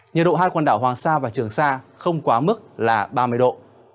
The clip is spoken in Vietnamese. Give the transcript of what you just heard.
nhiệt độ hai quần đảo hoàng sa và trường sa không quá mức là ba mươi độ